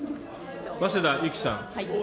早稲田ゆきさん。